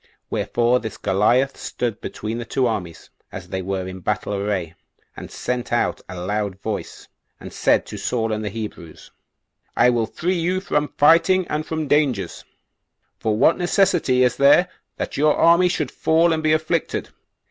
Wherefore this Goliath stood between the two armies, as they were in battle array, and sent out aloud voice, and said to Saul and the Hebrews, "I will free you from fighting and from dangers; for what necessity is there that your army should fall and be afflicted?